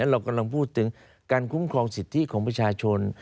เรากำลังพูดถึงการคุ้มครองสิทธิของประชาชน